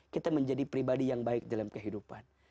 kita menjadi pribadi yang baik dalam kehidupan